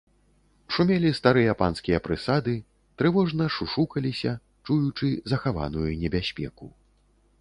Шумелі старыя панскія прысады, трывожна шушукаліся, чуючы захаваную небяспеку.